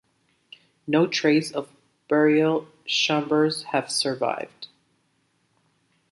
No trace of the burial chambers have survived.